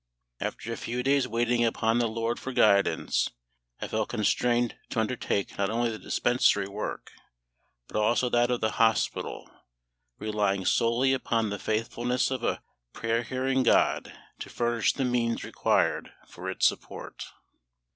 After a few days' waiting upon the LORD for guidance, I felt constrained to undertake not only the dispensary work, but also that of the hospital; relying solely upon the faithfulness of a prayer hearing GOD to furnish the means required for its support.